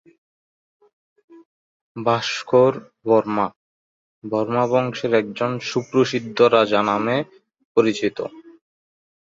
ভাস্কর বর্মা, বর্মা বংশের একজন সুপ্রসিদ্ধ রাজা নামে পরিচিত।